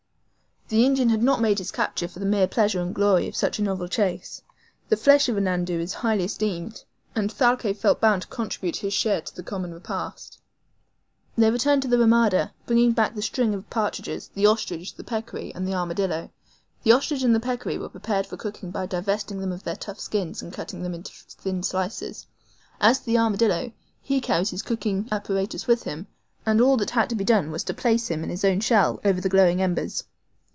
The Indian had not made his capture for the mere pleasure and glory of such a novel chase. The flesh of the NANDOU is highly esteemed, and Thalcave felt bound to contribute his share of the common repast. They returned to the RAMADA, bringing back the string of partridges, the ostrich, the peccary, and the armadillo. The ostrich and the peccary were prepared for cooking by divesting them of their tough skins, and cutting them up into thin slices. As to the armadillo, he carries his cooking apparatus with him, and all that had to be done was to place him in his own shell over the glowing embers.